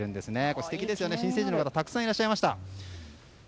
素敵ですよね、新成人の方たくさんいらっしゃいました。